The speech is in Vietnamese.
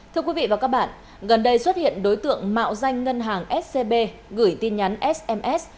thưa quý vị và các bạn gần đây xuất hiện đối tượng mạo danh ngân hàng scb gửi tin nhắn sms